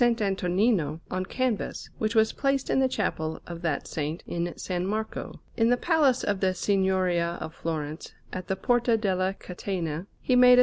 Antonino, on canvas, which was placed in the chapel of that Saint in S. Marco. In the Palace of the Signoria of Florence, at the Porta della Catena, he made a S.